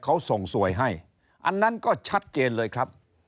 เขาส่งสวยให้อันนั้นก็ชัดเจนเลยครับ